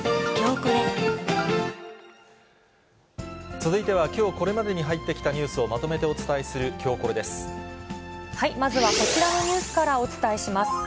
続いては、これまでに入ってきたニュースをまとめてお伝えするきょうコレでまずはこちらのニュースからお伝えします。